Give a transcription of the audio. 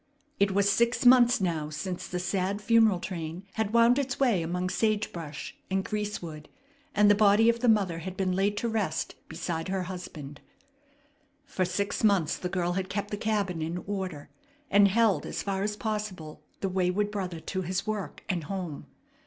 It was six months now since the sad funeral train had wound its way among sage brush and greasewood, and the body of the mother had been laid to rest beside her husband. For six months the girl had kept the cabin in order, and held as far as possible the wayward brother to his work and home.